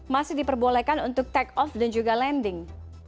masih diperbolehkan untuk take off dan juga landing